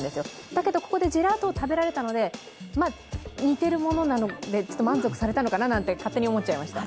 だけどここでジェラートを食べられたので似てるものなので満足されたのかななんて勝手に思っちゃいました。